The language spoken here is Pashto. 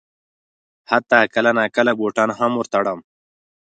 حتی کله ناکله بوټان هم ور تړم.